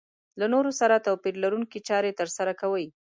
له نورو سره توپير لرونکې چارې ترسره کوي.